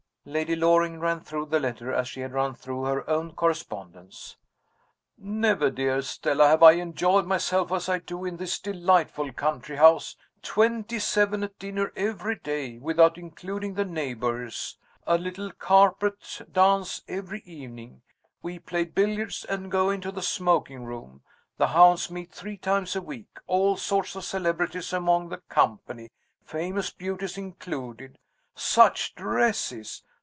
Lady Loring ran through the letter, as she had run through her own correspondence. "Never, dearest Stella, have I enjoyed myself as I do in this delightful country house twenty seven at dinner every day, without including the neighbors a little carpet dance every evening we play billiards, and go into the smoking room the hounds meet three times a week all sorts of celebrities among the company, famous beauties included such dresses!